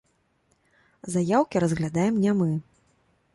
Заяўкі разглядаем не мы.